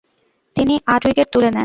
তিনি আট উইকেট তুলে নেন।